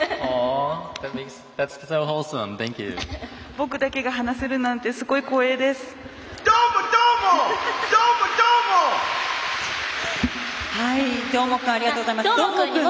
僕だけが話せるなんてすごい光栄です！